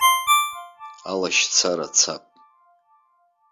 Алашьцара цап.